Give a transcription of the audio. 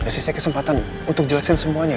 kasih saya kesempatan untuk berbicara sama andin